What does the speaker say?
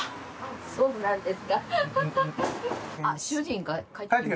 そうなんですか。